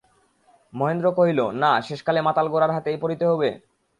মহেন্দ্র কহিল, না, শেষকালে মাতাল গোরার হাতে পড়িতে হইবে?